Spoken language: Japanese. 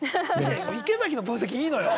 池崎の分析いいのよ。